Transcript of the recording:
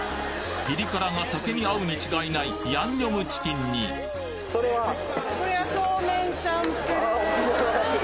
ピリ辛が酒に合うに違いないヤンニョムチキンにあぁ沖縄らしい。